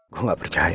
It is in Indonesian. gue gak percaya